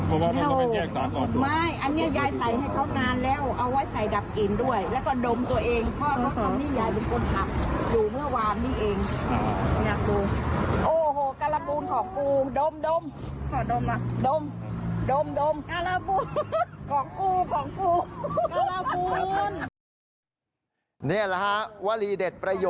โอ้โฮของแม่แน่นอนเลย